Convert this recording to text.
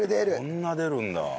こんな出るんだ。